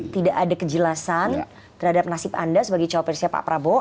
tidak ada kejelasan terhadap nasib anda sebagai cawapresnya pak prabowo